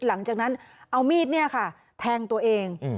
หลังจากนั้นเอามีดแทงตัวเอง